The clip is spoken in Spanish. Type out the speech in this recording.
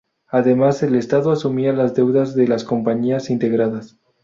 Además el Estado asumía las deudas de las compañías integradas.